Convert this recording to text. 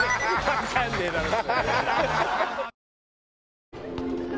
わかんねえだろう。